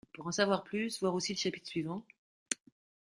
Pour en savoir plus, voir aussi le chapitre suivant.